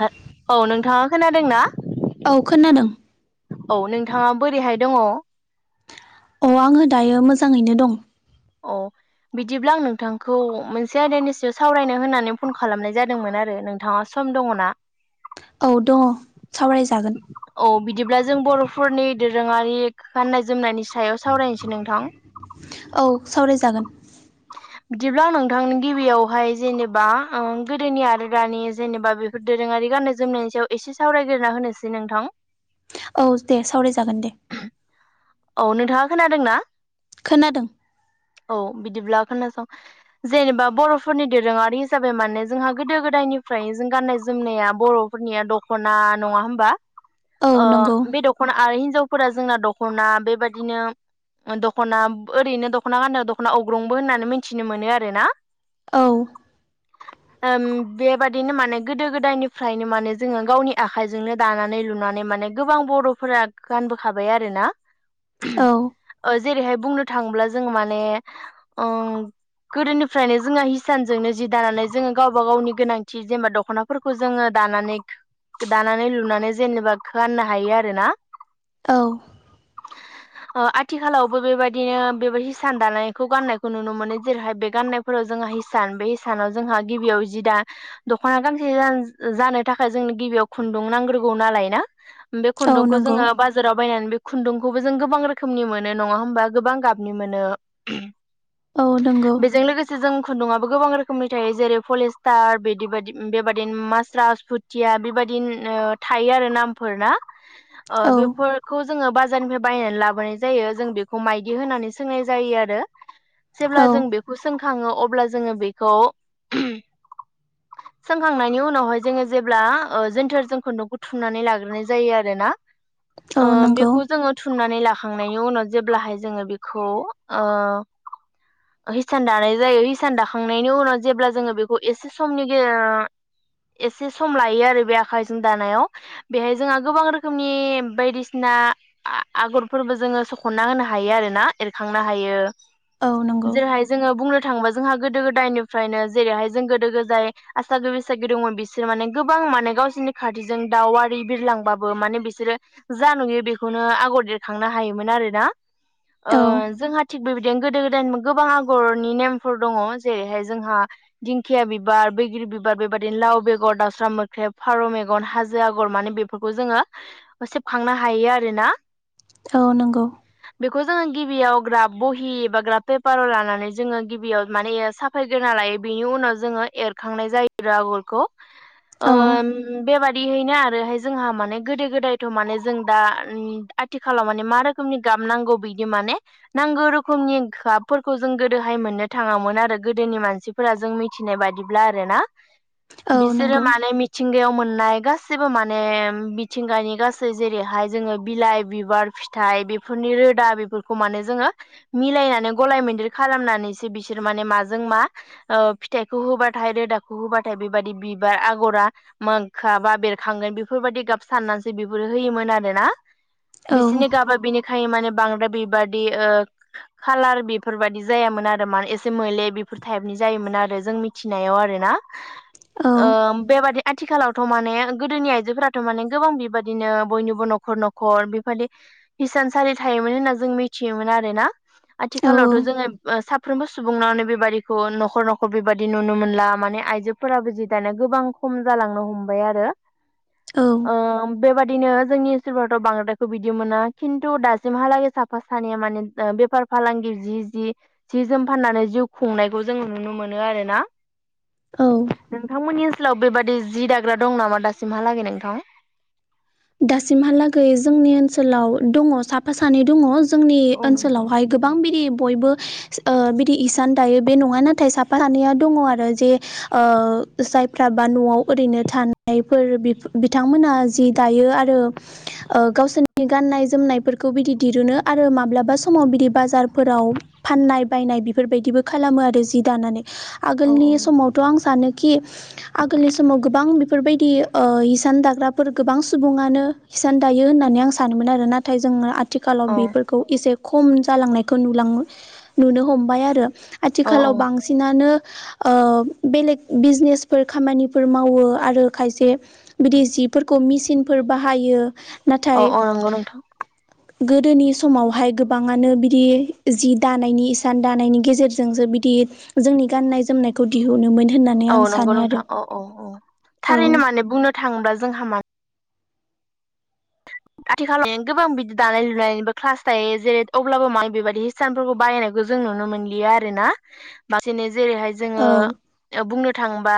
हे औ नोंथाङा खोनादोंना? औ खोनादों। औ नोंथाङा बोरैहाय दङ? अ आङो दायो मोजाङैनो दं। अ बिदिब्ला आं नोंथांखौ मोनसे आयदानि सायाव सावरायनो होननानै फन खालामनाय जादोंमोन आरो नोंथाङा सम दङ ना? औ दङ सावरायजागोन। औ बिदिब्ला जों बर'फोरनि दोरोङारि गाननाय जोमनायनि सायाव सावरायनोसै नोंथां। औ सावरायजागोन। बिदिब्ला आं नोंथांनि गिबियावहाय जेनेबा ओ गोदोनि आरो दानि जेनेबा बेफोर दोरोङारि गाननाय जोमनायनि सायाव एसे सावरायग्रोना होनोसै नोंथां। औ दे सावरायजागोन दे। औ नोंथाङा खोनादों ना? खोनादों। बिदिब्ला खोनासं। जेनेबा बर'फोरनि दोरोङारि हिसाबै माने जोंहा गोदो गोदायनिफ्राय जों गा गाननाय जोमनाया बर'फोरनिया दख'ना। नङा होमबा? औ नंगौ ओ बे दख'ना आरो हिनजावफोरा जोंना दख'ना। बेबादिनो दख'ना ओरैनो दख'ना गाननो दख'ना अवग्रंबो होननानै मिथिनो मोनो आरो ना औ ओम बेबायदिनो माने गोदो गोदायनिफ्रायनो माने जोङो गावनि आखाइजोंनो दानानै लुनानै मा माने गोबां बर'फोरा गानबोखाबाय आरोना औ ओ जेरैहाय बुंनो थाङोब्ला जों माने ओं गोदोनिफ्रायनो जोंहा हिसानजोंनो जि दानानै जोङो गावबा गावनि गोनांथि जेनेबा दख'नाफोरखौ जोङो दानानै दानानै लुनानै जेनेबा गाननो हायो आरोना। औ [unintelligible] अ आथिखालावबो बेबायदिनो बेबायदि हिसान दानायखौ गाननायखौ नुनो मोनो जेरैहाय बे गाननायफोराव जोंहाय हिसान, बे हिसानाव जोंहा गिबियाव जि दा दख'ना गांसे जानो थाखाय जोंनो गिबियाव खुन्दुं नांग्रोगौ नालाय ना। बे औ खुन्दुंखौ नंगौ जोङो बाजाराव बायनानै बे खुन्दुंखौबो जों गोबां रोखोमनि मोनो नङा होमबा गोबां गाबनि मोनो। औ नंगौ बेजों लोगोसे जों खुन्दुङाबो गोबां रोखोमनि थायो जेरै पलिस्टार बिदि बदि बेबायदिनो मास्रास, फुथिया बेबायदि दि थायो आरो नामफोर ना। ओ औ बेफोरखौ जोङो बाजारनिफ्राय बायनानै लाबोनाय जायो। जों बेखौ माइदि होनानै सोंनाय जायो आरो। जेब्ला औ जों बेखौ सोंखाङो अब्ला जोङो बेखौ सोंखांनायनि उनावहाय जोङो जेब्ला ओ जोनथोरजों खुन्दुंखौ थुमनानै लाग्रोनाय जायो आरोना। औ नंगौ। थुमनानै लाखांनायनि उनाव जेब्लाहाय जोङो बेखौ ओ हिसान दानाय जायो, हिसान दाखांनायनि उनाव जेब्ला जोङो बेखौ एसे समनि एसे सम लायो आरो बे आखाइजों दानायाव। बेहाय जोंहा गोबां रोखोमनि बायदिसिना आगरफोरबो जोङो सखनना होनो हायो आरो ना। एरखांनो हायो औ नंगौ जेरैहाय जोङो बुंनो थांबा जोंहा गोदो गोदायनिफ्रायनो जेरैहाय जों गोदो गोदाय आसागि बैसागि दंमोन, बिसोर माने गोबां माने गावसोरनि खाथिजों दावारि बिरलांब्लाबो माने बिसोरो जा नुयो बेखौ खौनो आगर एरखांनो हायोमोन आरोना। ओ औ जोंहा थिग बेबायदिनो गोदो गोदाय गोबां आगरनि नेमफोर दङ, जेरैहाय जोंहा दिंखिया बिबार, बैग्रि बिबार, बेबायदिनो दाउ बेगर, दाउसा मोख्रेब, फारौ मेगन, हाजो आगर माने बेफोरखौ जोङो सेबखांनो हायो आरो। [unintelligible] ना। औ नंगौ। बेखौ जोङो गिबियाव ग्राफ बहि एबा ग्राफ पेपाराव लानानै जोङो गिबियाव माने साफायग्रोना ला बिनि उनाव जोङो एरखांनाय जायो आगरखौ। औ ओम बेबादिहैनो आरोहाय जोंहा माने गोदो गोदायथ' माने जों दा उम, आथिखालाव माने मा रोखोमनि गाब नांगौ बिदि माने नांगौ रोखोमनि गाबफोरखौ जों जों गोदोहाय मोननो थाङामोन आरो गोदोनि मानसिफोरा जों मिथिनाय बादिब्ला आरोना। औ बिसोरो नंगौ माने मिथिंगायाव मोन नाय, गासिबो माने, मिथिंगानि गासै जेरैाय जोङो बिलाइ बिबार फिथाइ बेफोरनि रोदा बेफोरखौ माने जोङो मिलायनानै गलाय [unintelligible] खालामनानै सो बिसोर माने माजों मा ओ फिथाइखौ होबाथाय रोदाखौ होबाथाय बेबादि बिबार आगरा मोखा बा बेरखांगोन बेफोरबायदि गाब साननानैसो बेफोरो होयोमोन आरो। बायना। औ बिसोरनि गाबा बिनिखायनो माने बांद्राय बेबायादि, ओ खालार ओ बेफोरबायाददि जायामोन आरो माने एसे मोले बेफोर टाइपनि जायोमोन आरो। जों मिथिनायाव आरो ना। औ ओ बेबायदि आथिखालावथ' माने गोदोनि आइजोफोराथ' माने गोबां बेबायादिनो बयनिबो न' खर न'खर बेबायदि हिसानसालि थायोमोन होनना जों मिथियोमोन आरो ना। आथिखालावथ' जोङो साफ्रोमबो सुबुंनावानो बेबायादिखौ न'खर न'खर बेबायदि नुनो मोनला। माने आइजोफोराबो जि दानिया गोबां खम जा लांनो हम्बाय आरो। औ [inaudible] ओ बेबाददिनो जोंनि सोरबाथ' बांद्रायखौ बिदि मोना, खिन्थु दासिमहालागै साफा सानैया माने बेफार फालांगि जि जि सि जोम फाननानै जिउ खुंनायखौ जोङो नुनो मोनो आरोना। औ नोंथांमोननि ओनसोलाव बेबादि जि दाग्रा दं नामा दासिमहालागै नोंथां? दासिमहालागै जोंनि ओनसोलाव दङ साफा सानै दङ जोंनि औ नोंथां ओनसोलावहाय गोबां बिदि बयबो ओ बिदि इसान दायो बे नङा नाथाय साफा सानैया दङ आरो जे ओ जायफ्रा बा न'आव ओरैनो थानायफोर बिथांमोना जि दायो आरो ओ गावसोरनि गाननाय जोमनायफोरखौ बिदि दिरुनो आरो माब्लाबा समाव इदि बाजारफोराव फाननाय बायनाय बेफोरबायदिबो खालामो आरो जि दानानै औ आगोलनि समावथ' आं सानो कि आगोलनि समाव गोबां बेफोरबायदि ओ हिसान दाग्राफोरखौ गोबां सुबुङानो हिसान दायो होननानै आं सानोमोन आरो नाथाय जोङो आथिखालाव औ बेफोरखौ एसे खम जालांनायखौ नुलां नुनो हमबाय आरो औ आथिखालाव बांसिनानो ओ बेलेग बिजनेसफोर खामानिफोर मावो आरो खायसे बिदि जिब फोरखौ मेसिनफोर बाहायो। अ नाथाय अ नंगौ नोंथां। गोदोनि समावहाय गोबाङानो बिदि जि दानायनि इसान दानायनि गेजेरजों जों बिदि जोंनि गाननाय जोमनायखौ दिहुनोमोन होननानै औ आं नंगौ सानो आरो नोंथां औ औ औ, औ थारैनो माने बुंनो थाङोबा जोंहा मा आथिखालाव गोबां बिदि दानाय लुनायनिबो क्लास थायो जेरै अब्लाबो मानि बेबायदि हिसानफोरखौ बायनाय जों नुनो मोनलिया आरोना। बांसिनो जेरैहाय जोङो औ ओ बुंनो थाङोबा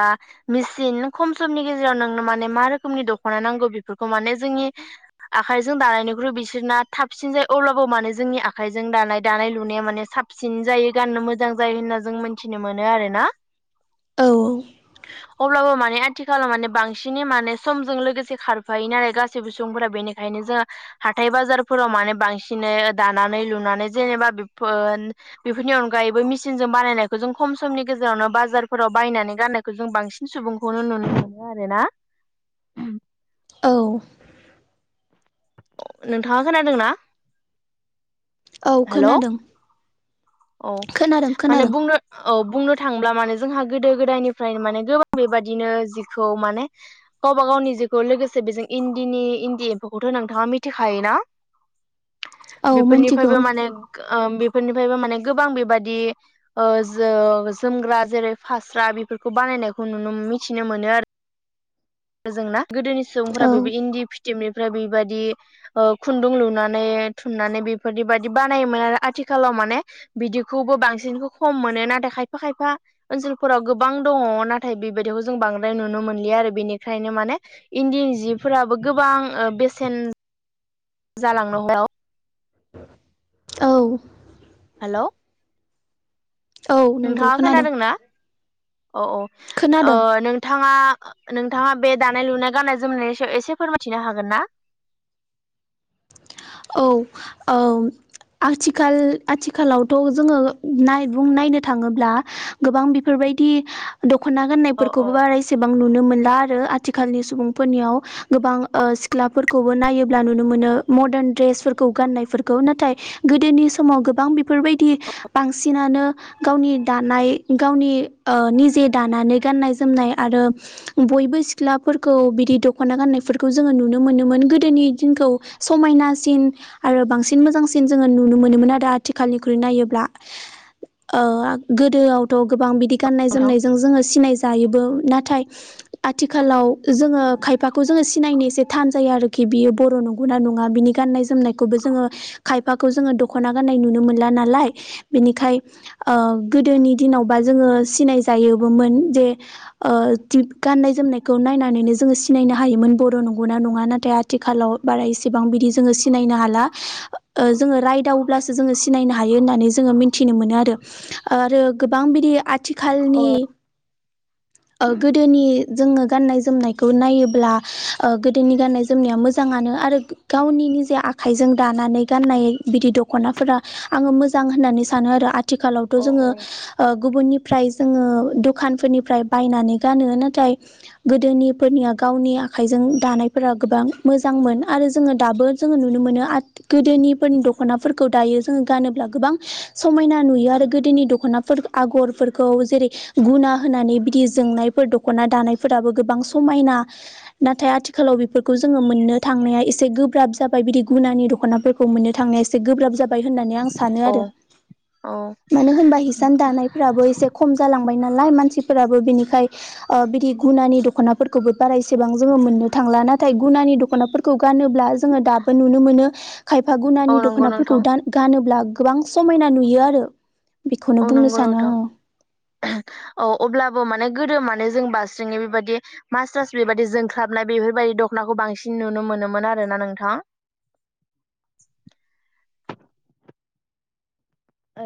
मेचिन खम समनि गेजेराव नोंनो माने मा रोखोमनि दख'ना नांगौ बेफोरखौ माने जोंनि आखाइजों दानायनिख्रुइ बिसोरना थाबसिन जायो अब्लाबो मानोे जोंनि आखाइजों दानाय दानाय लुनाया माने साबसिन जायो गाननो मोजां जायो होनना जों मोनथिनो मोनो आरो ना। औ [inaudible] अब्लाबो माने आथिखाालाव माने बांसिनै माने समजों लोगोसे खारफायो नालाय गासैबो सुबुंफोरा बेनिखायनो जोङो हाथाय बाजारफोराव माने बांसिनै दानानै लुनानै जेनेबा बेफो ओ बेफोरनि अनगायैबो मेसिनजों बानायनायखौ जों खम समनि गेजेरावनो बाजारफोराव बायनानै गाननायखौ जों बांसिन सुबुंखौनो नुनो मोनो आरो ना। औ नोंथाङा खोनादोंना औ हेलौ खोनादों औ खोनादों माने खोनादों बुंनो औ बुंनो थांब्ला माने जोंहा गोदो गोदायनिफ्रायनो माने गोबां बेबादिनो जिखौ माने गावबा गावनि जिखौ लोगोसे बेजों इन्दिनि इन्दि एम्फौखौथ' नोंथाङा मिथिखायोना औ मोनथिगौ बेफोरनिफ्रायबो माने ओ बेफोरनिफ्रायबो माने गोबां बेबादि ओ जो-जोमग्रा जेरै फास्रा बेफोरखौ बानायनायखौ नुनो मो मिथिनो मोनो आरो जोंना गोदोनि सुबुंफोरा औ बेबो इन्दि फिथ [unintelligible] निफ्राय बेबायदि खुन्दुं लुनानै थुननानै बेफोरदि बादि बानायोमोन आरो आथि खालाव माने बिदिखौबो बांसिनखौ खम मोनो नाथाय खायफा खायफा ओनसोलफोराव गोबां दङ' अ नाथाय बेबायदिखौ जों बांद्राय नुनो मोनलिया आरो बेनि फ्रायनो माने इन्दिनि जिफोराबो गोबां ओ बेसेन जालांनो [unintelligible] औ हेल' औ नंगौ खोनादों अ अ ओ खोनादों नोंथाङा नोंथाङा बे दानाय लुनाय गाननाय जोमनायनि सायाव एसे फोरमायथिनो हागोन ना? [inaudible] औ औ आथिखाल-आथिखालावथ' जोङो नाय बुं नायनो थाङोब्ला गोबां बेफोरबाय दि दख'ना औ औ गननायफोरखौबो बारा एसेबां नुनो मोन दा आरो आथिखालनि सुबुंफोरनियाव गोबां ओ सिख्लाफोरखौबो नायोब्ला नुनो मोनो मदार्न ड्रेसफोरखौ गाननायफोरखौ नाथाय गोदोनि समाव गोबां बेफोरबायदि बांसिनानो गावनि दानाय गावनि ओ निजे दानानै गाननाय जोमनाय आरो ब' बयबो सिख्लाफोरखौ बिदि दख'ना गाननायफोरखौ जोङो नुनो मोनोमोन गोदोनि दिनखौ समायना सिन आरो बांसिन मोजांसिन जोङो नुनो मोनोमोन आरो आथिखालनिख्रुइ नायोब्ला ओ गोदोआवथ' गोबां बिदि गाननाय नोंथां जोमनायजों जोङो सिनाय जायो बो नाथाय आथिखालाव जोङो खायफाखौ जोङो सिनायनो एसे थान जायो आरोखि बियो बर' नंगौना नङा बिनि गाननाय जोमनायखौबो जोङो खायफाखौ जोङो दख'ना गान्नाय नुनो मोनला नालाय बिनिखाय ओ गोदोनि दिनावबा जोङो सिनाय जायोबोमोन जे ओ दि गाननाय जोमनायखौ नायनानैनो जोङो सिनायनो हायोन बर' नंगौ ना नङा नाथाय आथिखालाव बारा इसेबां बिदि जोङो सिनायनो हाला जोङो ओ रायदावोब्लासो जोङो सिनायनो हायो होननानै जोङो मिन्थिनो मोनो आरो आरो गोबां बिदि औ आथिखालनि [inaudible] ओ गोदोनि जोङो गाननाय जोमनायखौ नायोब्ला ओ गोदोनि गाननाय जोमनाया मोजाङानो नो आरो गावनि निजा आखाइजों दानानै गाननाय बिदि दख'नाफोरा आङो मोजां होननानै सानो आरो आ थिखालावथ' जोङो औ ओ गुबुननि फ्राय जोङो दखानफोरनिफ्राय बायनानै गानो नाथाय गोदोनिफोरनिया गावनि आखाइजों दानायफोरा गोबां मोजांमोन आरो जोङो दाबो जोङो नुनो मोनो आथ गोदोनिफोरनि दख'नाफोरखौ दायो जोङो गानोब्ला गोबां सम मायना नुयो आरो गोदोनि दख'नाफोर आगरफोरखौ जेरै गुना होनानै बिदि जोंनायफोर द' दख'ना दानायफोराबो गोबां समायना नाथाय आथिखालाव बेफोरखौ जोङो मोननो थांनाया एस से गोब्राब जाबाय बिदि गुनानि दख'नाफोरखौ मोननो थांनाया एसे गोब्राब जाब बाय होननानै आं सानो आरो औ मानो होनबा हिसान दानायफ्राबो एसे खम जालांबाय ना लाय मानसिफोराबो बिनिखाय ओ बिदि गुनानि दख'नाफोरखौबो बारा एसेबां जोङो मोननो थांला नाथाय गुनानि दख'नाफोरखौ गानोब्ला जोङो दाबो नुनो मोनो खायफा औ गुनानि नंगौ नोंथां दख'नाफोरखौ गानोब्ला गोबां समायना नुयो आरो। बेखौनो औ बुंनो नंगौ सानो आङो [unintelligible] औ अब्लाबो माने गोदो माने जों बारास्रिङै बेबायदि मास्ट्रास बेबायदि जोंख्लाबनाय बेफोरबायदि दख'नाखौ बांसिन नुनो मोन मोनोमोन आरोना नोंथां [inaudible]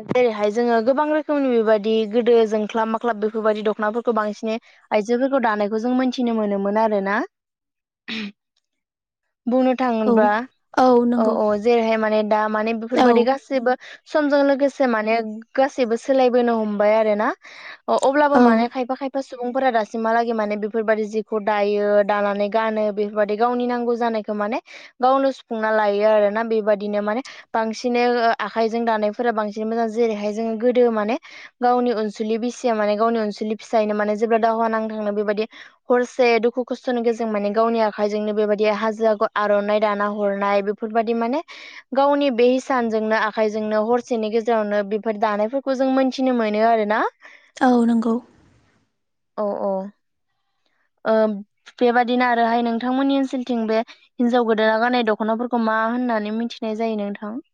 जेरैहाय जोङो गोबां रोखोमनि बेबायदि गोदो जोंख्लाब माख्लाब बेफोरबायदि दख'नाफोरखौ बांसिन आइजोफोरखौ दानायखौ जों मोनथिनो मोनोमोन आरो ना [unintelligible] बुंनो औ थाङोबा औ औ जेरैहाय माने दा माने औ बेफोरबादि गाससिबो समजों लोगोसे माने गासैबो सोलायबोनो हमबाय आरो ना अ अब्लाबो औ माने खायफा खायफा सुबुंफोरा दासिमहालागै माने बेफोरबायाददि जिखौ दायो दानानै गानो बेफोरबायाददि गावनि नांगौ जानायखौ माने गावनो सुफुंना लायो आरोना बेबायदिनो माने बांसि आखाइजों दानाय फोरा बांसिन मोजां जेरैहाय जोङो गोदो माने गावनि अनसुलि बिसिया माने गावनि अनसुलिनि फिसाइनो माने जेब्ला दावहा नां थांनो बेबायदि हरसे दुखु खस्थ'नि गेजजों माने गावनि आखाइजोंनो बेबायदि हाजो आर'ना दाना हरनाय बेफोरबायदि माने गावनि बे हिसानजोंनो आखायजोंनो हर सेनि गेजेरावनो बेफोर दानायफोरखौ जों मोनथिनो मोनो आरो ना औ नंगौ औ औ ओ बेबादिनो आरोहाय नोंथांमोननि ओनसोलथिं बे हिनजाव गोदाना गाननाय दख'नाफोरखौ मा मा होननानै मिथिनाय जायो नोंथां [inaudible]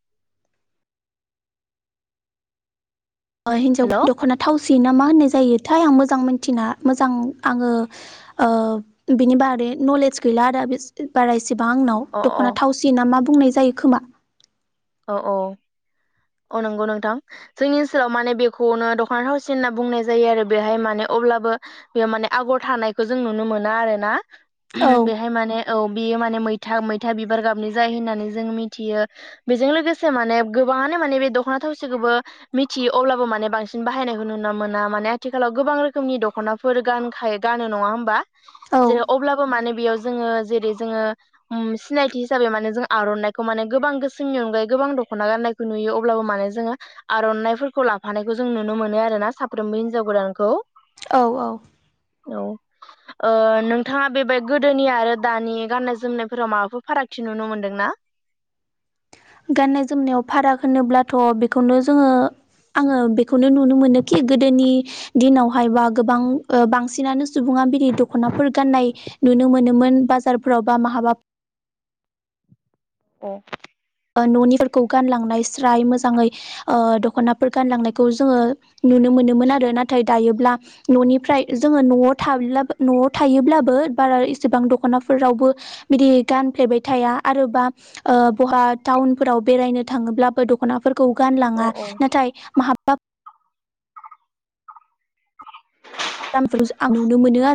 हिन्जाव हेल' अ दख'ना थावसि ना मा होननाय जायो थाय आं मोजां मोनथिना मोजां आङो ओ बिनि बारै नलेज गैला आरो बारायसेबां आंनाव अ दख'ना थावसि ना मा बुंनाय जायो खोमा औ औ अ नंगौ नोंथां जोंनि ओनसोलाव माने बेखौनो दख'ना थावसि होनना बुंनाय जायो आरो बेहाय माने अब्लाबो बे माने आगर थानायखौ जों नुनो मोना आरो ना। औ [unintelligible] बेहाय माने औ बियो माने मैथा मैथा बिबार गाबनि जायो होननानै जों मिथियो। बेजों लोगोसे माने गोबाङानो माने बे दख'ना थावसिखौबो मिथियो अब्लाबो माने बांसिन बाहायनायखौ नुनो मोना माने आथिखालाव गोबां रोखोमनि दख'नाफोर गानखायो गानो नङा होमबा। औ जेर अब्लाबो माने बेयो जोङो जेरै जोङो उम सिनायथि हिसाबै माने जों आर'नायखौ माने गोबां जोंनि अनगायै गोबां दख'ना गाननायखौ नुयो अब्लाबो माने जोङो आर'नाइफोरखौ लाफानायखौ जों नुनो मोनो आरो। साफ्रोमबो हिनजाव गोदानखौ‌। औ औ औ ओ नोंथाङा बेबाय गोदोनि आरो दानि गाननाय जोमनायफोराव माबाफोर फारागथि नुनो मोनदों ना? [inaudible] गाननाय जोमनायाव फाराग होनोब्लाथ' बेखौनो जोङो आङो बेखौनो नुनो मोनोखि गोदोनि दिनावहाय बा गोबां बांसिनानो सुबुङा बिदि दख'नाफोर गान्नाय नुनो मोनोमोन बाजारफोराव बा महाबा [inaudible] ए न'निफोरखौ गानलांनाय स्राय मोजाङै ओ दख'नाफोर गानलांनायखौ जोङो नुनो मोन मोनोमोन आरो नाथाय दायोब्ला न'निफ्राय जोङो न'आव थायोब्ला न'आव थायोब्लाबो बारा इसेबां दख'नाफोरावबो बिदि गानफ्लेबाय थाया आरोबा बहा टाउनफोराव बेरायनो थाङोब्लाबो दख'नाफोरखौ औ गानलाङा औ नाथाय महाबा [inaudible] [unintelligible] आं नुनो मोनो आरो।